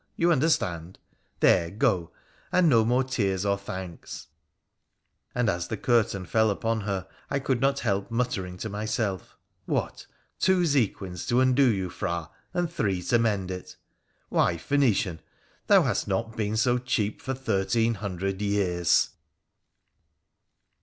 You understand ? There, go ! and no more tears or thanks,' and, as the curtain fell upon her, I could not help muttering to myself, ' What ! two zequins to undo you, Phra, and three to mend it ? Why, Phoenician, thou hast not been so cheap for thirteen hundred years